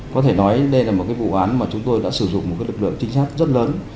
có thể nói đây là một vụ án mà chúng tôi đã sử dụng một lực lượng trinh sát rất lớn